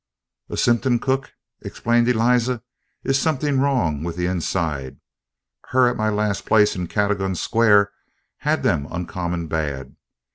"A symptim, cook," explained Eliza, "is somethink wrong with the inside. Her at my last place in Cadogan Square had them uncommon bad.